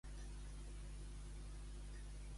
No és moneda de cinc duros per agradar a tots.